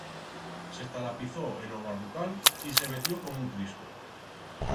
S'estalapizó en o barducal y se metió como un cristo.